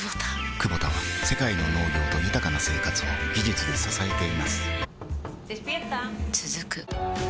クボタは世界の農業と豊かな生活を技術で支えています起きて。